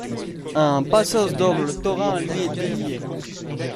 Un paso doble taurin lui est dédié.